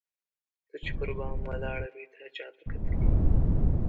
ته چي پر بام ولاړه وې تا چاته کتل؟